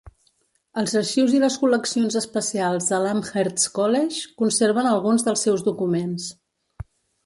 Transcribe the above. Els arxius i les col·leccions especials de l'Amherst College conserven alguns dels seus documents.